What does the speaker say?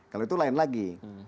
kalau itu lain lagi